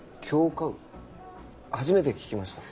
杏花雨初めて聞きました